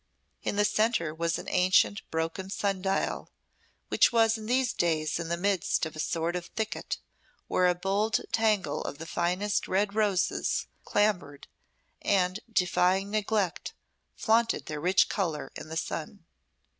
In the centre was an ancient broken sun dial, which was in these days in the midst of a sort of thicket, where a bold tangle of the finest red roses clambered, and, defying neglect, flaunted their rich colour in the sun.